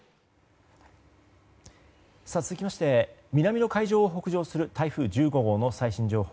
続きまして南の海上を北上する台風１５号の最新情報。